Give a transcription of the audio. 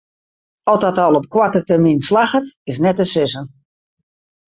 Oft dat al op koarte termyn slagget is net te sizzen.